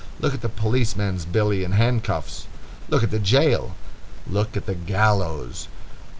Look at the policeman's billy and handcuffs! Look at the jail! Look at the gallows!